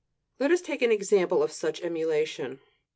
Let us take an example of such emulation.